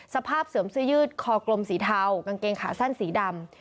เสื่อมเสื้อยืดคอกลมสีเทากางเกงขาสั้นสีดำ